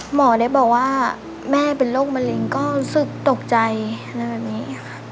หมอได้บอกว่าแม่เป็นโรคมะเร็งก็รู้สึกตกใจอะไรแบบนี้ค่ะ